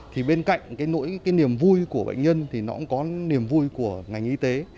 thì bên cạnh cái niềm vui của bệnh nhân thì nó cũng có niềm vui của ngành y tế